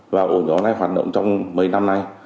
và ổ nhóm này hoạt động trong mấy năm nay